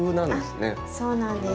そうなんです